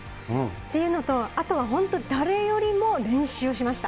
っていうのと、あとは本当、誰よりも練習しました。